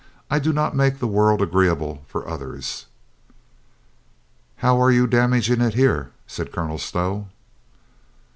"I do not make the world agree able for others." "How are you damaging it here?" said Colonel Stow.